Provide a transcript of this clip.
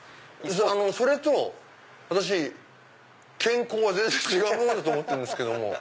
それと私健康が全然違うものだと思ってるんですけど。